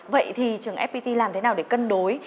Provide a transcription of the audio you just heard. vậy thì trường fpt làm thế nào để cân đối